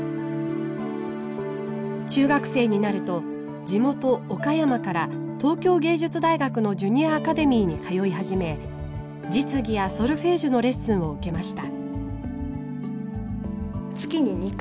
中学生になると地元岡山から東京藝術大学のジュニア・アカデミーに通い始め実技やソルフェージュのレッスンを受けました。